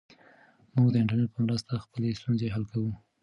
موږ د انټرنیټ په مرسته خپلې ستونزې حل کوو.